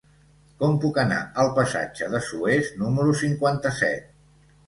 Com puc anar al passatge de Suez número cinquanta-set?